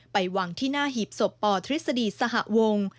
ไปวางที่หน้าหีบศพปทฤษฎีสหวง